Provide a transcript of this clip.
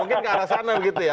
mungkin ke arah sana begitu ya